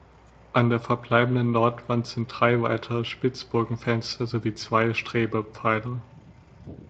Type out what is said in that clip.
An der verbleibenden Nordwand sind drei weitere Spitzbogenfenster sowie zwei Strebepfeiler.